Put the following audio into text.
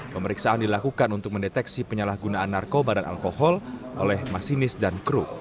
pemeriksaan dilakukan untuk mendeteksi penyalahgunaan narkoba dan alkohol oleh masinis dan kru